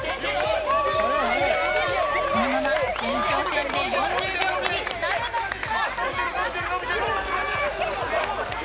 このまま前哨戦で４０秒切りなるか。